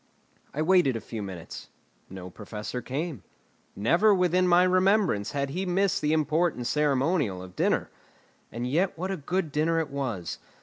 I waited a few minutes. No Professor came. Never within my remembrance had he missed the important ceremonial of dinner. And yet what a good dinner it was!